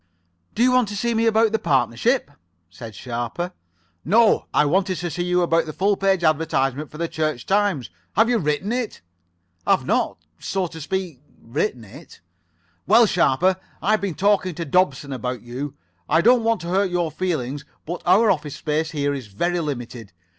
"Do you want to see me about the partnership?" said Sharper. "No. I wanted to see you about the full page advertisement for the 'Church Times.' Have you written it?" "I've not, so to speak, written it." [Pg 73]"Well, Sharper, I've been talking to Dobson about you. I don't want to hurt your feelings, but our office space here is very limited.